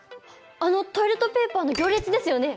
あのトイレットペーパーの行列ですよね？